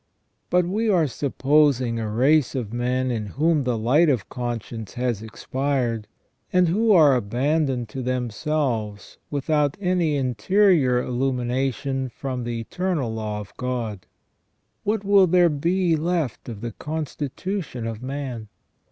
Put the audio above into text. But we are supposing a race of men in whom the light of con science has expired, and who are abandoned to themselves without any interior illumination from the eternal law of God. What will there be left of the constitution of man